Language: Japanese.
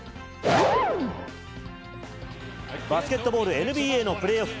バスケットボールＮＢＡのプレーオフ。